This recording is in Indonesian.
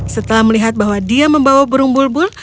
setelah melihat bahwa dia membawa burung bulbul